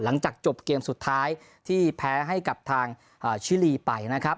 หลังจากจบเกมสุดท้ายที่แพ้ให้กับทางชิลีไปนะครับ